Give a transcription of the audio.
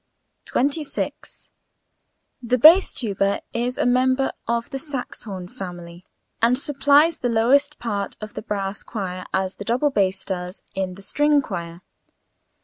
26. The bass tuba is a member of the saxhorn family and supplies the lowest part of the brass choir, as the double bass does in the string choir.